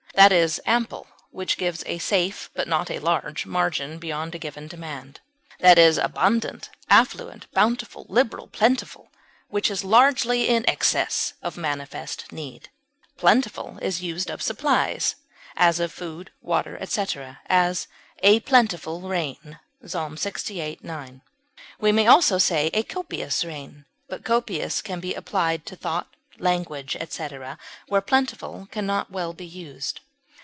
That is ample which gives a safe, but not a large, margin beyond a given demand; that is abundant, affluent, bountiful, liberal, plentiful, which is largely in excess of manifest need. Plentiful is used of supplies, as of food, water, etc.; as, "a plentiful rain," Ps. lxviii, 9. We may also say a copious rain; but copious can be applied to thought, language, etc., where plentiful can not well be used.